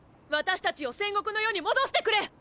私達を戦国の世に戻してくれ！